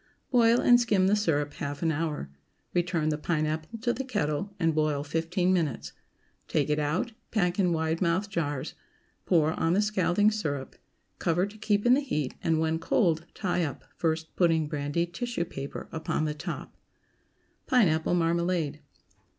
Boil and skim the syrup half an hour. Return the pineapple to the kettle and boil fifteen minutes. Take it out, pack in wide mouthed jars, pour on the scalding syrup; cover to keep in the heat, and, when cold, tie up, first putting brandied tissue paper upon the top. PINEAPPLE MARMALADE.